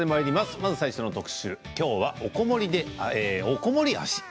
まず最初の特集はおこもり足。